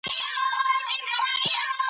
څنګه غوړ په بدن کې زېرمه کېږي؟